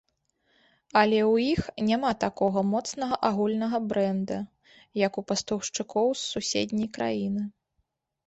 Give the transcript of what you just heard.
Аднак у іх няма такога моцнага агульнага брэнда, як у пастаўшчыкоў з суседняй краіны.